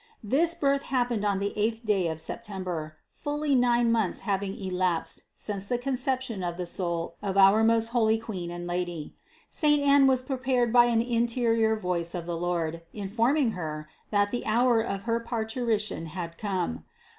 This birth happened on the eighth day of September, fully nine months having elapsed since the Conception of the soul of our most holy Queen and Lady. Saint Anne was prepared by an in terior voice of the Lord, informing Her, that the hour of her parturition had come.